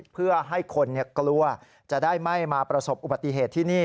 เพื่อให้คนกลัวจะได้ไม่มาประสบอุบัติเหตุที่นี่